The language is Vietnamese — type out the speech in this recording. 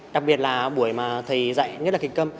đặc biệt là buổi mà thầy dạy nhất là kịch câm